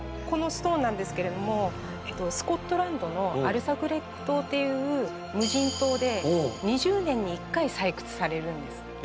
このストーンなんですけれどもスコットランドのアルサクレイグ島っていう無人島で２０年に１回採掘されるんです。